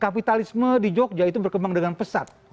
kapitalisme di jogja itu berkembang dengan pesat